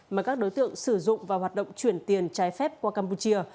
mà các đối tượng sử dụng và hoạt động chuyển tiền trái phép qua campuchia